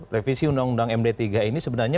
revisi undang undang md tiga ini sebenarnya